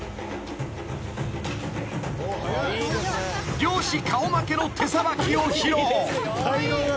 ［漁師顔負けの手さばきを披露］